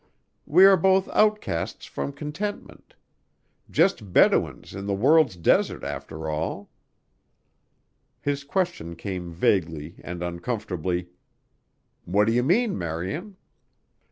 We are both outcasts from contentment just Bedouins in the world's desert, after all." His question came vaguely and uncomfortably, "What do you mean, Marian?"